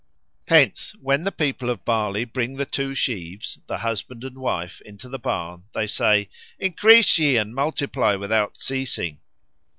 Hence when the people of Bali bring the two sheaves, the husband and wife, into the barn, they say, "Increase ye and multiply without ceasing."